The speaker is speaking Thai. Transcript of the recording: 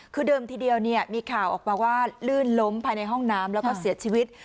คือเดิมทีเดียวมีข่าวออกมาว่าลื่นล้มภายในห้องน้ำแล้วก็เสียชีวิต